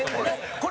これ。